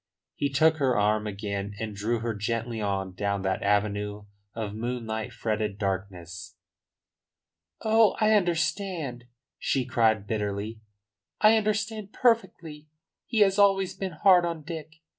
He took her arm again and drew her gently on down that avenue of moonlight fretted darkness. "Oh, I understand," she cried bitterly. "I understand perfectly. He has always been hard on Dick!